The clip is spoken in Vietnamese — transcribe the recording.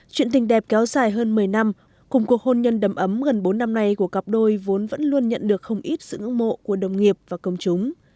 chuyện tình đẹp kéo dài hơn một mươi năm cùng cuộc hôn nhân đầm ấm gần bốn năm nay của cặp đôi vốn vẫn luôn nhận được không ít sự ngưỡng mộ của đồng nghiệp và công chúng